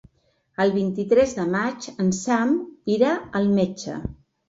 El vint-i-tres de maig en Sam irà al metge.